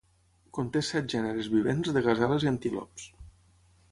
Conté set gèneres vivents de gaseles i antílops.